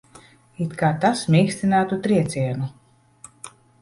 It kā tas mīkstinātu triecienu.